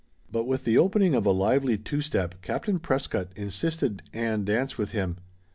But with the opening of a lively two step Captain Prescott insisted Ann dance with him.